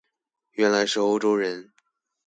原來是歐洲人